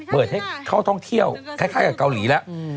เปิดให้เข้าท่องเที่ยวคล้ายกับเกาหลีแล้ว